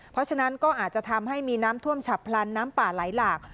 เพราะฉะนั้นก็อาจจะทำให้มีน้ำท่วมฉับพลันน้ำป่าไหลหลาก